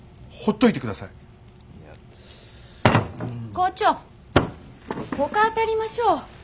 校長ほか当たりましょう。